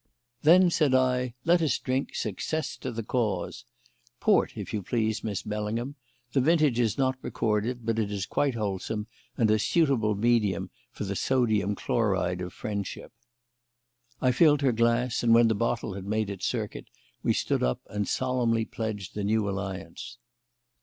"Then," said I, "let us drink success to the Cause. Port, if you please, Miss Bellingham; the vintage is not recorded, but it is quite wholesome, and a suitable medium for the sodium chloride of friendship." I filled her glass, and, when the bottle had made its circuit, we stood up and solemnly pledged the new alliance.